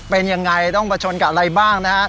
เป็นอย่างไรต้องประชนกับอะไรบ้าง